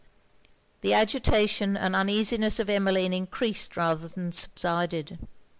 The agitation and uneasiness of Emmeline encreased rather than subsided.